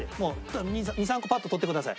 ２３個パッと取ってください。